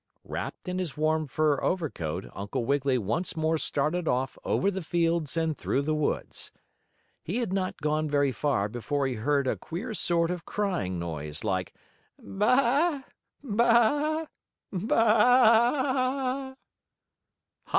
Wrapped in his warm fur overcoat, Uncle Wiggily once more started off over the fields and through the woods. He had not gone very far before he heard a queer sort of crying noise, like: "Baa! Baa! Baa!"